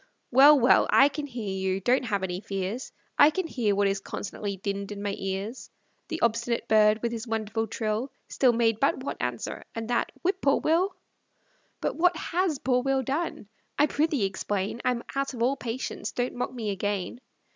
Well, well, I can hear you, don't have any fears, I can hear what is constantly dinned in my ears. The obstinate bird, with his wonderful trill, Still made but one answer, and that, "Whip poor Will." But what HAS poor Will done? I prithee explain; I'm out of all patience, don't mock me again.